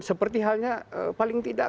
seperti halnya paling tidak